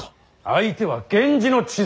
相手は源氏の血筋。